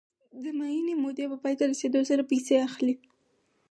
د معینې مودې په پای ته رسېدو سره پیسې اخلي